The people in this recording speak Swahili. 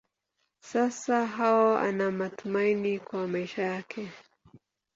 Sasa Hawa ana matumaini kwa maisha yake.